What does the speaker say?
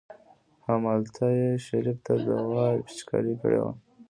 همالته يې شريف ته دوا پېچکاري کړې وه.